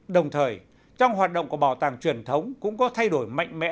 đồng thời trong hoạt động của bảo tàng truyền thống cũng có thay đổi mạnh mẽ